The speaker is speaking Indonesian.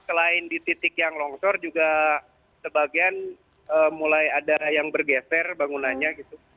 selain di titik yang longsor juga sebagian mulai ada yang bergeser bangunannya gitu